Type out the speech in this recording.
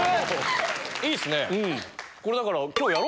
いいっすね！